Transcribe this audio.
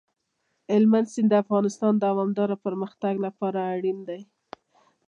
هلمند سیند د افغانستان د دوامداره پرمختګ لپاره اړین دي.